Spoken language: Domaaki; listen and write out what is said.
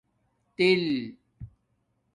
تل